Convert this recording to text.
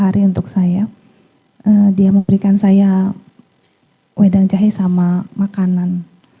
terus setelah saya berikan hampir tiada obat dia memberikan saya wedang jahe dan makanan